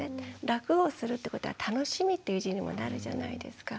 楽をするってことは楽しみっていう字にもなるじゃないですか。